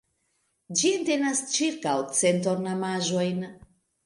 Ĝi entenas ĉirkaŭ cent ornamaĵojn.